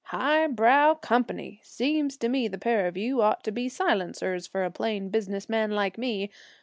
'High brow company! Seems to me the pair of you ought to be silencers for a plain business man like me.